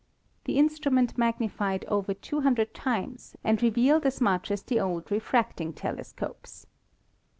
The instrument magnified over 4 200 times and revealed as much as the old refracting tele scopes.